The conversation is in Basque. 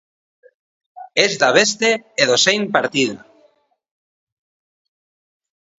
Ez da beste edozein partida.